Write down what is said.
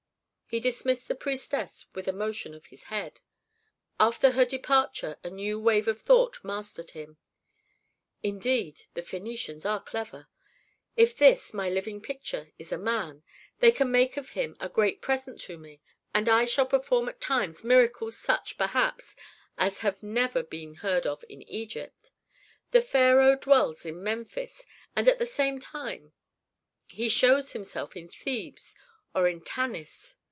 He dismissed the priestess with a motion of his head. After her departure a new wave of thought mastered him. "Indeed, the Phœnicians are clever. If this, my living picture, is a man, they can make of him a great present to me, and I shall perform at times miracles such, perhaps, as have never been heard of in Egypt. The pharaoh dwells in Memphis, and at the same time he shows himself in Thebes or in Tanis.